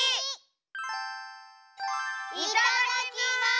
いただきます！